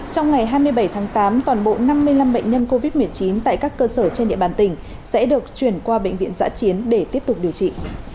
trong ngày hai mươi bảy tháng tám toàn bộ năm mươi năm bệnh nhân covid một mươi chín tại các cơ sở trên địa bàn tỉnh sẽ được chuyển qua bệnh viện giã chiến để tiếp tục điều trị